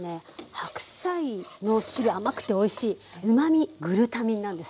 白菜の汁甘くておいしいうまみグルタミンなんです。